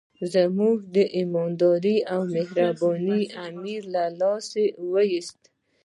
زموږ ایماندار او مهربان امیر یې له لارې وایست.